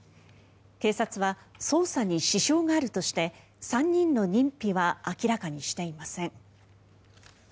警察は、捜査に支障があるとして３人の認否は明らかにしていません。